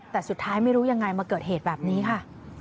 แต่สุดท้ายไม่รู้ยังไงมาเกิดเหตุแบบนี้ค่ะ